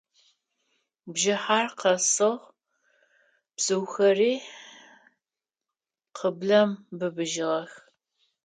Бжыхьэр къэсыгъ, бзыухэри къыблэм быбыжьыгъэх.